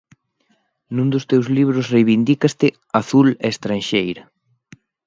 Nun dos teus libros reivindícaste "Azul e estranxeira".